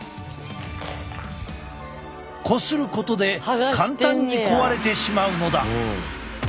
こすることで簡単に壊れてしまうのだ。